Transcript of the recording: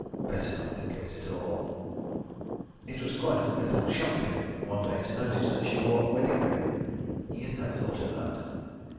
... Better not think of it at all. ... It was quite a little shock to him, one day, to notice that she wore a wedding ring. ... He had never thought of that.